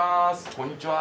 こんにちは。